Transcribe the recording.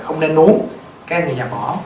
không nên uống